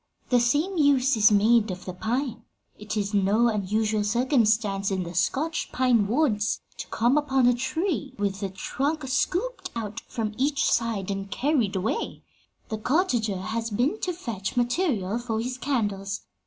The same use is made of the pine. It is no unusual circumstance, in the Scotch pine woods, to come upon a tree with the trunk scooped out from each side and carried away: the cottager has been to fetch material for his candles.